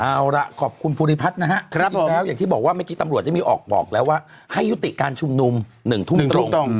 อาวห์ล่ะขอบคุณผู้ลิพัฒน์นะครับครับผมอย่างที่บอกว่าเมื่อกี้ตำรวจจะมีออกบอกแล้วว่าให้อยุติการชุมนุมหนึ่งทุ่มตรง